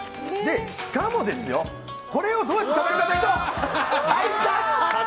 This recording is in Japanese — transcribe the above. しかもこれをどうやって食べるかというと、大胆！